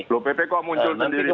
lo pp kok muncul sendiri pak